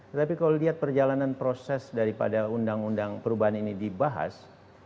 tetapi kalau lihat perjalanan proses daripada undang undang perubahan ini dibahas